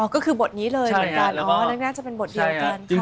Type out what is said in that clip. อ๋อก็คือบทนี้เลยเหมือนกันน่าจะเป็นบทเดียวเหมือนกัน